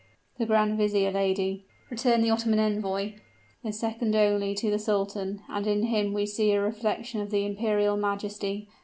"The grand vizier, lady," returned the Ottoman envoy, "is second only to the sultan, and in him we see a reflection of the imperial majesty.